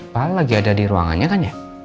pak al lagi ada di ruangannya kan ya